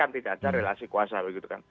mereka tidak akan ada relasi kuasa begitu kan